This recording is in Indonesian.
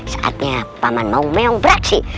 saatnya paman mau meong praksi